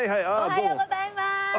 おはようございます！